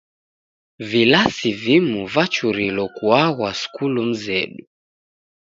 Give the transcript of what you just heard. Vilasi vimu vachurilo kuaghwa skulu mzedu.